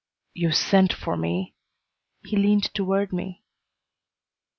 "You sent for me " He leaned toward me.